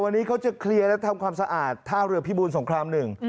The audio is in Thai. วันนี้เขาจะเคลียร์และทำความสะอาดท่าเรือพิบูรสงครามหนึ่ง